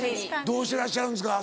どうしてらっしゃるんですか？